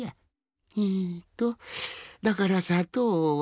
えとだからさとうは。